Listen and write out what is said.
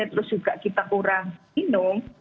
terus juga kita kurang minum